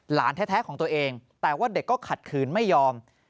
หลานแท้ของตัวเองแต่ว่าเด็กก็ขัดขืนไม่ยอม